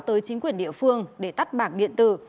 tới chính quyền địa phương để tắt bảng điện tử